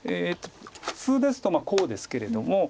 普通ですとこうですけれども。